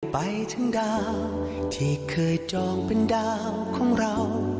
ไปถึงดาวที่เคยจองเป็นดาวของเรา